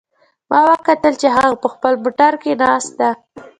ما وکتل چې هغه په خپل موټر کې ناست ده